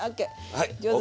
はい上手。